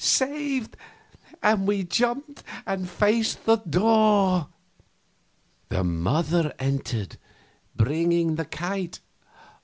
"Saved!" And we jumped up and faced the door. The old mother entered, bringing the kite.